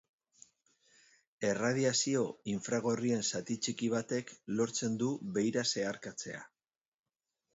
Erradiazio infragorrien zati txiki batek lortzen du beira zeharkatzea.